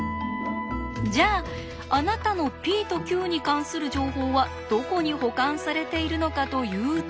じゃああなたのｐとｑに関する情報はどこに保管されているのかというと？